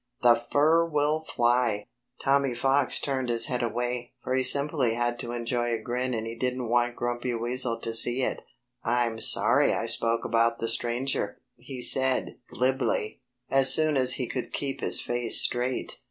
The fur will fly!" Tommy Fox turned his head away, for he simply had to enjoy a grin and he didn't want Grumpy Weasel to see it. "I'm sorry I spoke about the stranger," he said glibly, as soon as he could keep his face straight.